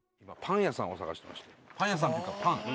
パン屋さんっていうかパン。